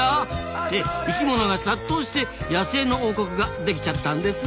って生きものが殺到して野生の王国ができちゃったんですな。